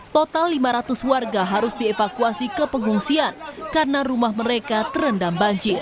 total lima ratus warga harus dievakuasi ke pengungsian karena rumah mereka terendam banjir